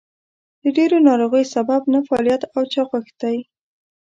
د ډېرو ناروغیو سبب نهفعاليت او چاغښت دئ.